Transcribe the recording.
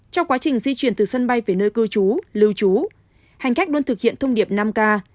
trong quá trình di chuyển từ sân bay về nơi cư trú lưu trú hành khách luôn thực hiện thông điệp năm k